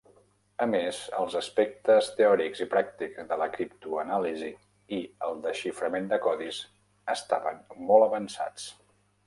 A més, els aspectes teòrics i pràctics de la "criptoanàlisi" i el "desxiframent de codis" estaven molt avançats.